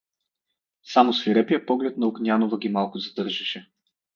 Само свирепият поглед на Огнянова ги малко задържаше.